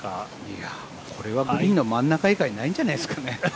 これはグリーンの真ん中以外ないんじゃないですかね。